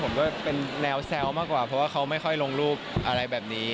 ผมก็เป็นแนวแซวมากกว่าเพราะว่าเขาไม่ค่อยลงรูปอะไรแบบนี้